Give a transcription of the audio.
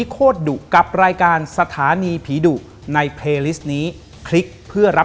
ขอบคุณนะคะ